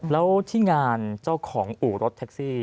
แล้วที่งานเจ้าของอู่รถแท็กซี่